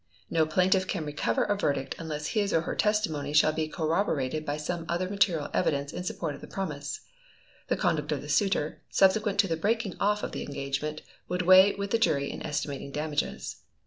No plaintiff can recover a verdict unless his or her testimony shall be corroborated by some other material evidence in support of the promise. The conduct of the suitor, subsequent to the breaking off the engagement, would weigh with the jury in estimating damages.